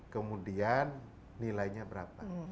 kemudian nilainya berapa